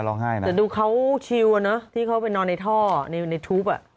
แต่ดูเขาชิวเนอะที่เขาไปนอนในทอในทูป